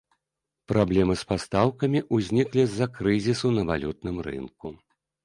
Праблемы з пастаўкамі ўзніклі з-за крызісу на валютным рынку.